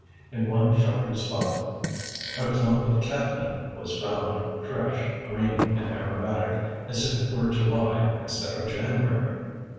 In one sheltered spot a clump of catnip was found, fresh, green, and aromatic, as if it were July instead of January.